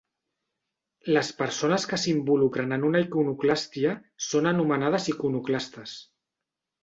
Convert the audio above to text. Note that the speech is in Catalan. Les persones que s'involucren en una iconoclàstia són anomenades iconoclastes.